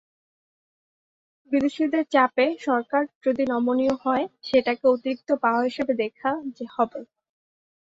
বিদেশিদের চাপে সরকার যদি নমনীয় হয়, সেটাকে অতিরিক্ত পাওয়া হিসেবে দেখা হবে।